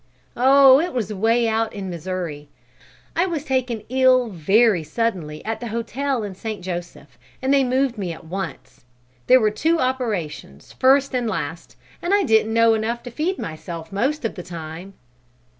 "Oh, it was way out in Missouri. I was taken ill very suddenly at the hotel in St. Joseph and they moved me at once. There were two operations first and last, and I didn't know enough to feed myself most of the time."